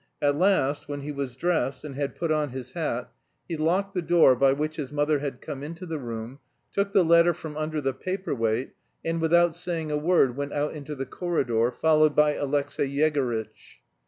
At last, when he was dressed and had put on his hat, he locked the door by which his mother had come into the room, took the letter from under the paperweight, and without saying a word went out into the corridor, followed by Alexey Yegorytch.